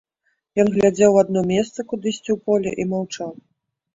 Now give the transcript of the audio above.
Ён глядзеў у адно месца, кудысьці ў поле, і маўчаў.